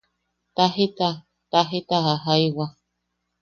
Tajita, tajita jajaiwa.